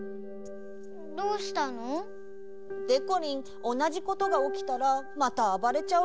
どうしたの？でこりんおなじことがおきたらまたあばれちゃうかも。